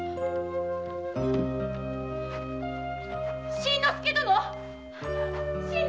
新之助殿！